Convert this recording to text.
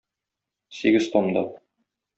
Сигез томда.